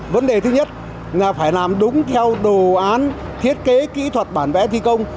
vấn đề thứ nhất là phải làm đúng theo đồ án thiết kế kỹ thuật bản vẽ thi công